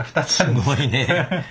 すごいねぇ。